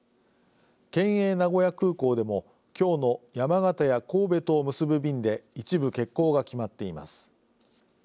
県営名古屋空港でもきょうの山形や神戸とを結ぶ便で一部欠航が決まっています。